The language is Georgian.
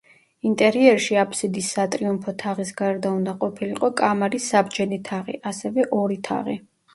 ინტერიერში აბსიდის სატრიუმფო თაღის გარდა უნდა ყოფილიყო კამარის საბრჯენი თაღი, ასევე ორი თაღი.